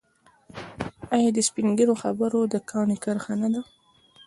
آیا د سپین ږیرو خبره د کاڼي کرښه نه ده؟